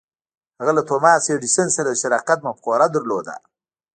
هغه له توماس ایډېسن سره د شراکت مفکوره درلوده.